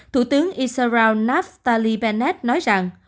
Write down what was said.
thủ tướng israel naftali bennett nói rằng